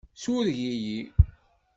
Sureg-iyi.